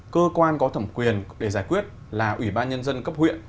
cơ quan có thẩm quyền để giải quyết là ủy ban nhân dân cấp huyện